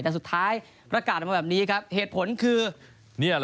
แต่สุดท้ายประกาศออกมาแบบนี้ครับเหตุผลคือ